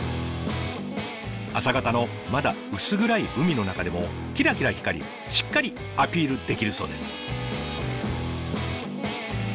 朝方のまだ薄暗い海の中でもキラキラ光りしっかりアピールできるそうです。